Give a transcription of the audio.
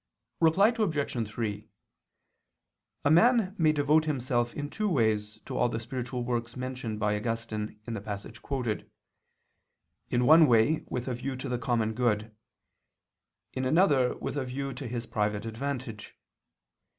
Reply Obj. 3: A man may devote himself in two ways to all the spiritual works mentioned by Augustine in the passage quoted: in one way with a view to the common good, in another with a view to his private advantage.